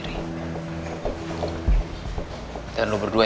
lu udah suka péréka aja